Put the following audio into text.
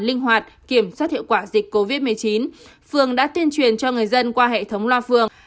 linh hoạt kiểm soát hiệu quả dịch covid một mươi chín phường đã tuyên truyền cho người dân qua hệ thống loa phường